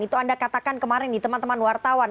itu anda katakan kemarin di teman teman wartawan